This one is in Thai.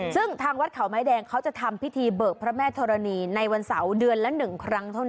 ซึ่งทางวัดเขาไม้แดงเขาจะทำพิธีเบิกพระแม่ธรณีในวันเสาร์เดือนละ๑ครั้งเท่านั้น